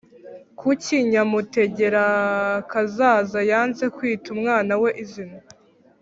Kuki nyamutegerakazaza yanze kwita umwana we izina